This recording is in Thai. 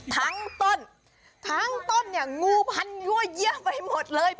ทั้งต้นทั้งต้นเนี่ยงูพันยั่วเยี่ยไปหมดเลย